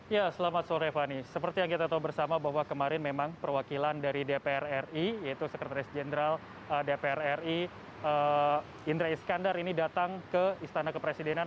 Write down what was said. ya selamat sore fani seperti yang kita tahu bersama bahwa kemarin memang perwakilan dari dpr ri yaitu sekretaris jenderal dpr ri indra iskandar ini datang ke istana kepresidenan